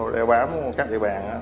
đeo bám các địa bàn